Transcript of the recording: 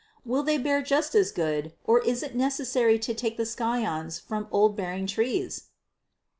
Will they bear just as good, or is it necessary to take the scions from old bearing trees?